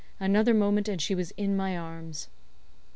Another moment and she was in my arms.